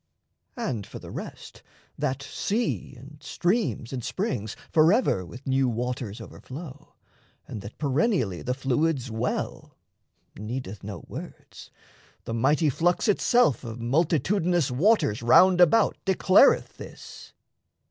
And for the rest, that sea, and streams, and springs Forever with new waters overflow, And that perennially the fluids well, Needeth no words the mighty flux itself Of multitudinous waters round about Declareth this.